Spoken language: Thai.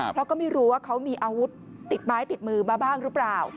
เพราะก็ไม่รู้ว่าเขามีอาวุธติดไม้ติดมือมาบ้างหรือเปล่า